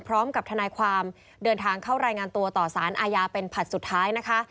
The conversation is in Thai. พร้อมกับทนายความเดินทางเข้ารายงานตัวต่อสารอาญาเป็นผลัดสุดท้ายนะคะ